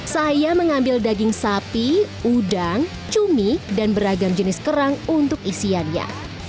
saya mengambil daging sapi udang cumi dan beragam jenis kerang untuk isiannya